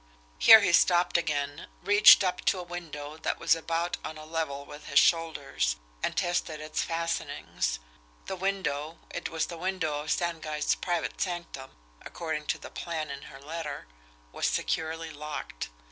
Here he stopped again, reached up to a window that was about on a level with his shoulders, and tested its fastenings. The window it was the window of Stangeist's private sanctum, according to the plan in her letter was securely locked.